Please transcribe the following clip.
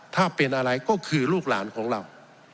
ถ้าเป็นอะไรก็คือลูกหลานของเรา